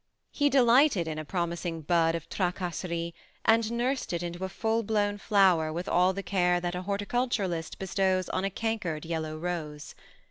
He delighted in a promising bud of tracasserte, and nursed it into a full blown flower, with all the care that a horticulturist bestows on a can kered yellow rose.